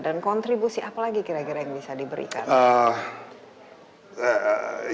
dan kontribusi apa lagi kira kira yang bisa diberikan